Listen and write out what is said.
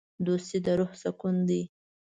دوستي د روح سکون دی.